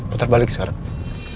putar balik sekarang